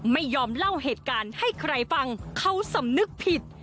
ไม่ยอมเล่าเหตุการณ์ให้ใครฟังเขาสำนึกผิด